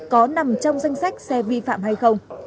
có nằm trong danh sách xe vi phạm hay không